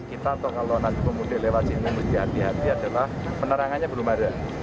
kita kalau nanti pemudik lewat sini berhati hati adalah penerangannya belum ada